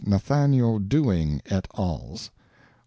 Nathaniel Dewing et als.